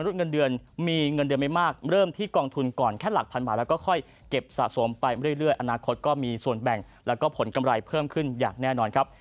อย่างแน่นอนครับ